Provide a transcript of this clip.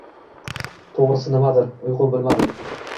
To‘g‘risi, nimadir — uyqu bilmadi